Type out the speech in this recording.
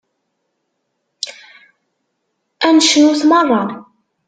Ad necnut meṛṛa.